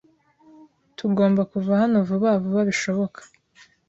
Tugomba kuva hano vuba vuba bishoboka.